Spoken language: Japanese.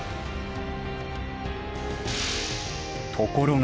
ところが！